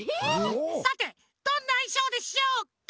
さてどんないしょうでしょうか？